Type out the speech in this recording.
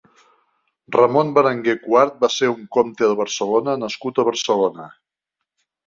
Ramon Berenguer quart va ser un comte de Barcelona nascut a Barcelona.